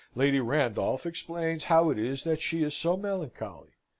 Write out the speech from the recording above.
Lady Randolph explains how it is that she is so melancholy.